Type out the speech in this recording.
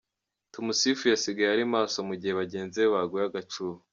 Tumusifu yasigaye ari maso mu gihe bagenzi be baguye agacuho.